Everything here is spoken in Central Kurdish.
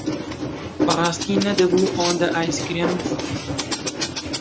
بەڕاستی نەدەبوو ئەوەندە ئایسکرێم بخۆم.